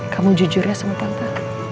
kamu jujurnya sama tante